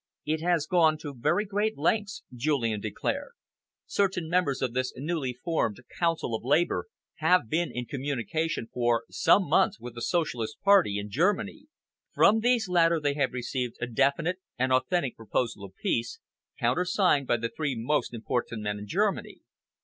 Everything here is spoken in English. "It has gone to very great lengths," Julian declared. "Certain members of this newly formed Council of Labour have been in communication for some months with the Socialist Party in Germany. From these latter they have received a definite and authentic proposal of peace, countersigned by the three most important men in Germany.